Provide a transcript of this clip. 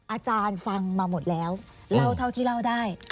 อาจารย์ฟังมาหมดแล้วเล่าเท่าที่เล่าได้